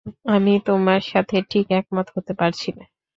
আমি তোমার সাথে ঠিক একমত হতে পারছি না।